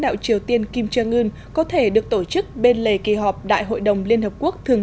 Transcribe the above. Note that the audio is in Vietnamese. đạo triều tiên kim jong un có thể được tổ chức bên lề kỳ họp đại hội đồng liên hợp quốc thường